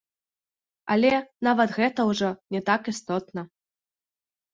Але нават гэта ўжо не так істотна.